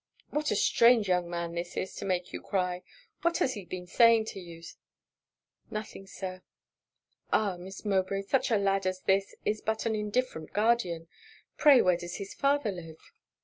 'What a strange young man this is, to make you cry. What has he been saying to you?' 'Nothing, Sir.' 'Ah! Miss Mowbray; such a lad as that is but an indifferent guardian; pray where does his father live?'